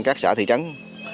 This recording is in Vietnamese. các xã thị trắng